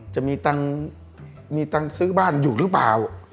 จะมีตังค์ซื้อบ้านอยู่หรือเปล่า